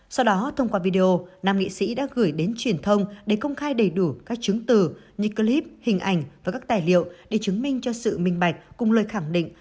sau đó thông qua video nam nghị sĩ đã gửi đến truyền thông để công khai đầy đủ các chứng từ như clip hình ảnh và các tài liệu để chứng minh cho sự minh bạch cùng lời khẳng định